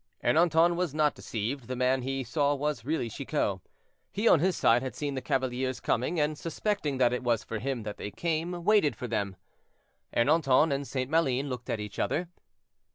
Ernanton was not deceived; the man he saw was really Chicot. He on his side had seen the cavaliers coming, and suspecting that it was for him that they came, waited for them. Ernanton and St. Maline looked at each other.